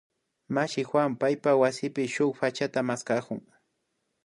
Mashi Juan paypak wasipi shuk pachata maskakun